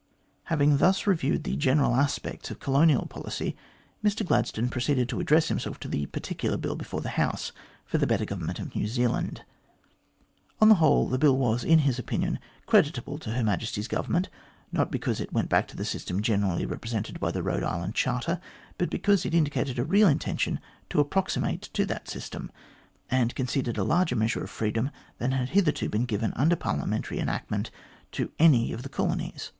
Having thus reviewed the general aspects of colonial policy, Mr Gladstone proceeded to address himself to the particular Bill before the House for the better government of New Zealand. On the whole, the Bill was, in his opinion, creditable to Her Majesty's Government, not because it went back to the system generally represented by the Khode Island Charter, but because it indicated a real intention to approximate to that system, and conceded a larger measure of freedom than had hitherto been given under Parliamentary enactment to any of the colonies.